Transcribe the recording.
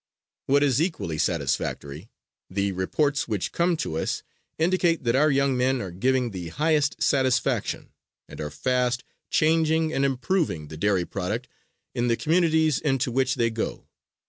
What is equally satisfactory, the reports which come to us indicate that our young men are giving the highest satisfaction and are fast changing and improving the dairy product in the communities into which they go.